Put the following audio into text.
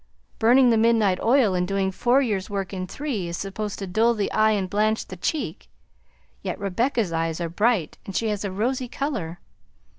Burning the midnight oil and doing four years' work in three is supposed to dull the eye and blanch the cheek, yet Rebecca's eyes are bright and she has a rosy color!